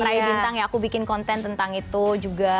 rai bintang ya aku bikin konten tentang itu juga